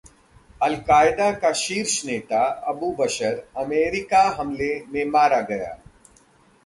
Al Qaeda का शीर्ष नेता अबू बशर अमेरिकी हमले में मारा गया!